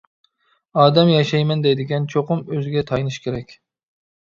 ئادەم ياشايمەن دەيدىكەن، چوقۇم ئۆزىگە تايىنىش كېرەك.